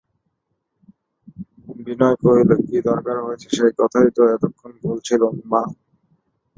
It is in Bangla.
বিনয় কহিল, কী দরকার হয়েছে সেই কথাই তো এতক্ষণ বলছিলুম মা!